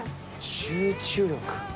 集中力。